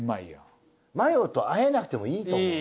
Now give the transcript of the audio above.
マヨと和えなくてもいいと思う。